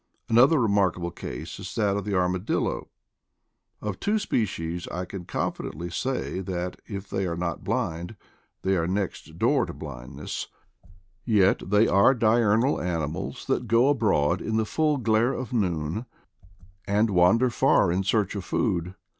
Another remarkable case is that of the ar madillo. Of two species I can confidently say that, if they are not blind, they are next door to blindness; yet they are diurnal animals that go abroad in the full glare of noon and wander far in search of food.